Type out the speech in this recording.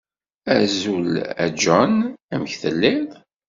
Azul a John! Amek telliḍ?